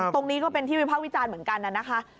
ก็เป็นที่วิภาควิจารณ์เหมือนกันนะคะ